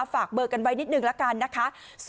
ฝากเบอร์กันไว้นิดนึงละกันนะคะ